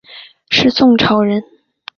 是宋朝人。